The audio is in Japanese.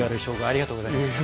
ありがとうございます。